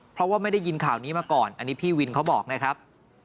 เพราะว่าไม่ได้ยินข่าวนี้มาก่อนอันนี้พี่วินเขาบอกนะครับ